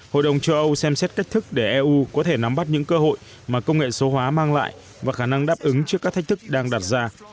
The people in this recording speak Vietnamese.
hội đồng châu âu xem xét cách thức để eu có thể nắm bắt những cơ hội mà công nghệ số hóa mang lại và khả năng đáp ứng trước các thách thức đang đặt ra